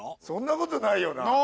そんなことないよな？